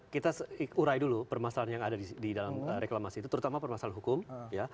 kita urai dulu permasalahan yang ada di dalam reklamasi itu terutama permasalahan hukum ya